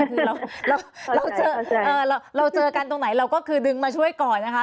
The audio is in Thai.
คือเราเจอกันตรงไหนเราก็คือดึงมาช่วยก่อนนะคะ